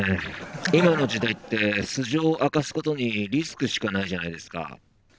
今の時代って素性を明かすことにリスクしかないじゃないですか。